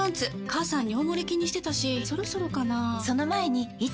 母さん尿モレ気にしてたしそろそろかな菊池）